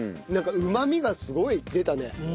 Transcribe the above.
なんかうまみがすごい出たね。